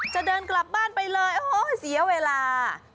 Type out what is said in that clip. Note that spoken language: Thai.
จะเดินกลับบ้านไปเลยโอ้โหเสียเวลา